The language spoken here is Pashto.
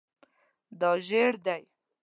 دا زیړ دی